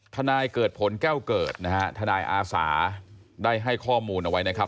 ทนายเกิดผลแก้วเกิดนะฮะทนายอาสาได้ให้ข้อมูลเอาไว้นะครับ